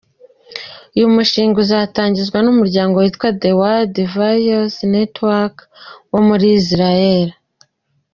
Uyu mushinga uzatangizwa n’umuryango witwa ‘The World Values Network’ wo muri Israel.